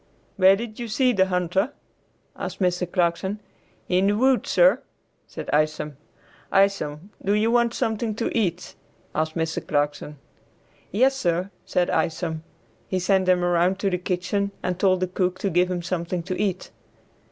"Where did you see the hunter?" asked Mr. Clarkson. "In the woods, sir," said Isom. "Isom, do you want something to eat?" asked Mr. Clarkson. "Yes, sir," said Isom. He sent him around to the kitchen and told the cook to give him something to eat.